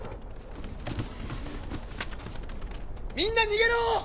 みんな逃げろ！